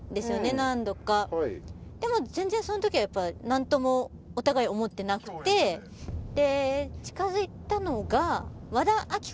何度かでも全然そのときはやっぱ何ともお互い思ってなくてへえ！